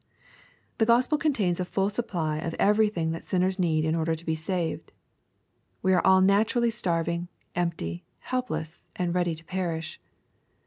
The Gos[>el contains a full supply of everything that sinners need in order to be saved. We are all naturally starving, empty, helpless, and ready to perish.